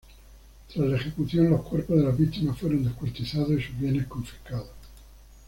Tras la ejecución los cuerpos de las víctimas fueron descuartizados y sus bienes confiscados.